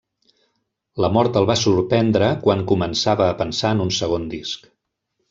La mort el va sorprendre quan començava a pensar en un segon disc.